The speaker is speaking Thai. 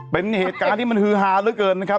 เป็นเหตุการณ์ที่มันฮือฮาเหลือเกินนะครับ